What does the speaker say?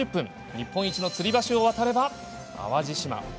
日本一のつり橋を渡れば淡路島。